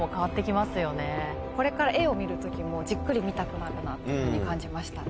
これから絵を見る時もじっくり見たくなるなというふうに感じましたね